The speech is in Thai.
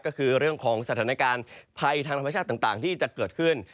ก็คือเรื่องของสถานการณ์ภัยทางธรรมชาติต่างที่จะเกิดขึ้น